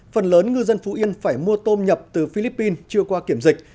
phần lớn ngư dân phú yên phải mua tôm nhập từ philippines chưa qua kiểm dịch